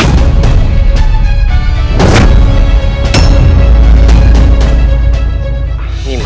dia terus saja memburu